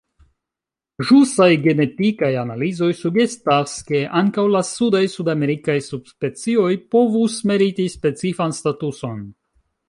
Ĵusaj genetikaj analizoj sugestas, ke ankaŭ la sudaj sudamerikaj subspecioj povus meriti specifan statuson.